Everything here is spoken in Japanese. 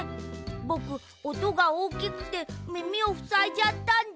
ぼくおとがおおきくてみみをふさいじゃったんだ。